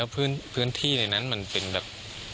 พื้นที่ในนั้นมันเป็นแบบ